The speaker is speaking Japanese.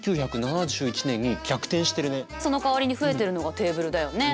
そのかわりに増えてるのがテーブルだよね。